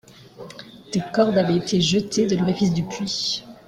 Des cordes avaient été jetées de l’orifice du puits.